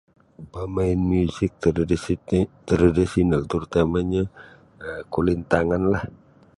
Pamain muzik tradisi ti tradisional tarutama'nyo kulintanganlah.